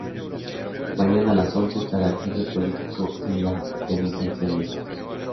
Mañana a las once estará el jefe político en la Penitenciaría.